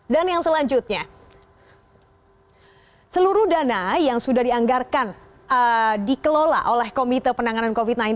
dan yang selanjutnya seluruh dana yang sudah dianggarkan dikelola oleh komite penanganan covid sembilan belas